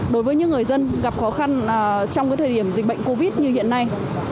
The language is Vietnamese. đối với những người dân gặp khó khăn trong thời điểm dịch bệnh covid như hiện nay